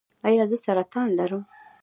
ایا زه سرطان لرم؟